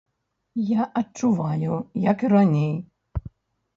Я адчуваю, як і раней.